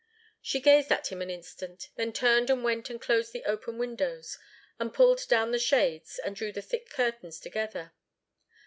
She gazed at him an instant; then turned and went and closed the open windows, and pulled down the shades and drew the thick curtains together.